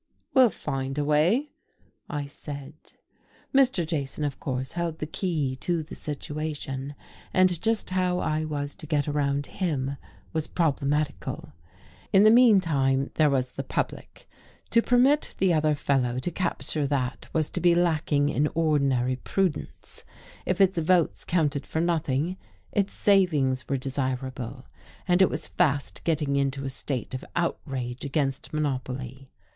"We'll find a way out," I said. Mr. Jason, of course, held the key to the situation, and just how I was to get around him was problematical. In the meantime there was the public: to permit the other fellow to capture that was to be lacking in ordinary prudence; if its votes counted for nothing, its savings were desirable; and it was fast getting into a state of outrage against monopoly.